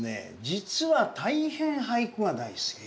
実は大変俳句が大好き。